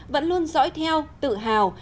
vẫn luôn dõi theo tự hào